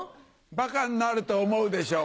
バカになると思うでしょ？